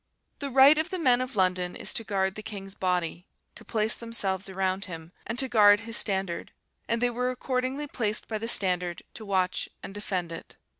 The right of the men of London is to guard the king's body, to place themselves around him, and to guard his standard; and they were accordingly placed by the standard to watch and defend it.